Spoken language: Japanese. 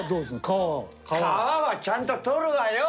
皮はちゃんと取るわよ！